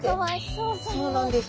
そうなんです。